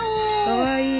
かわいい。